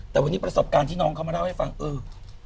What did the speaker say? แต่วันนี้ประสบการณ์ที่น้องเขามาเล่าให้ฟังเออ